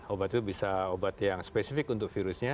obat itu bisa obat yang spesifik untuk virusnya